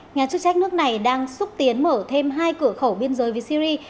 nhà chức trách nước này đang xúc tiến mở thêm hai cửa khẩu biên giới với syri